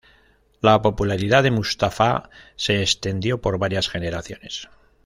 La popularidad de Mustafa se extendió por varias generaciones.